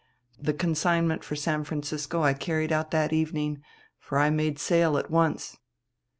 The consignment for San Francisco I carried out that evening, for I made sail at once."